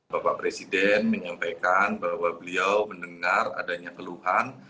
bapak presiden menyampaikan bahwa beliau mendengar adanya keluhan